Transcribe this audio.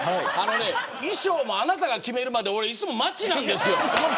衣装もあなたが決めるまでいつも待ちなんですよ。